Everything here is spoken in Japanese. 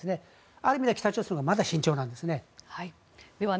ある意味では北朝鮮はまだ慎重なんですね。